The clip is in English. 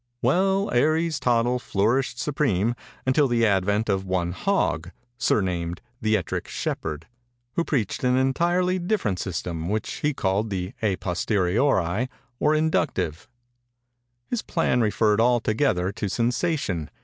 "Well, Aries Tottle flourished supreme, until the advent of one Hog, surnamed 'the Ettrick shepherd,' who preached an entirely different system, which he called the à posteriori or _in_ductive. His plan referred altogether to sensation.